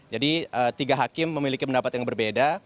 tiga hakim memiliki pendapat yang berbeda